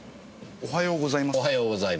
おはようございます。